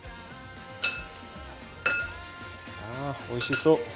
あおいしそう。